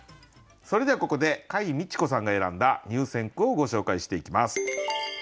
それではここで櫂未知子さんが選んだ入選句をご紹介していきます。